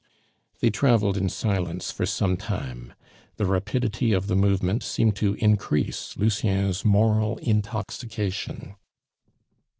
They traveled in silence for sometime; the rapidity of the movement seemed to increase Lucien's moral intoxication.